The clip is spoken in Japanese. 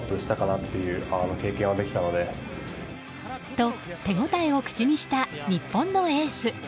と、手応えを口にした日本のエース。